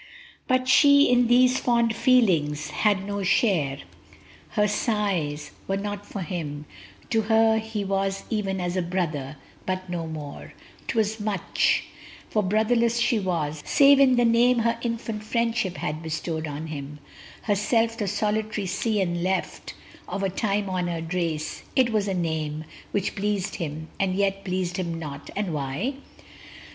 But she in these fond feelings had no share: Her sighs were not for him; to her he was Even as a brother but no more: 'twas much, For brotherless she was, save in the name Her infant friendship had bestowed on him; Herself the solitary scion left Of a time honored race. It was a name Which pleased him, and yet pleased him not and why?